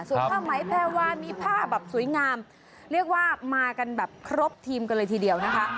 ส่วนผ้าไหมแพรวามีผ้าแบบสวยงามเรียกว่ามากันแบบครบทีมกันเลยทีเดียวนะคะ